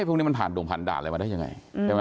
พรุ่งนี้มันผ่านดวงพันธุ์ด่านเลยมาได้อย่างไร